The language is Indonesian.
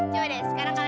coba deh sekarang kak